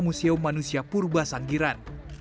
museum manusia purba sanggiran